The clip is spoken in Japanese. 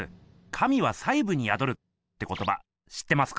「神は細ぶにやどる」ってことば知ってますか？